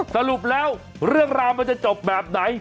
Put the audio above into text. สรุปแล้วเรื่องราวมันจะจบแบบไหน